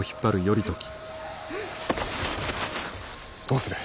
どうする。